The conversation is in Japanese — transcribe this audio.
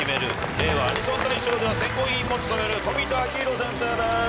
令和アニソン大賞では選考委員も務める冨田明宏先生です。